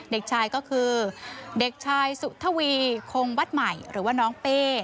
เด็กชายก็คือเด็กชายสุทวีคงวัดใหม่หรือว่าน้องเป้